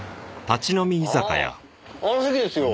あああの席ですよ。